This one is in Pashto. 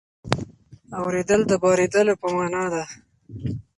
اورېدل د بارېدلو په مانا ده.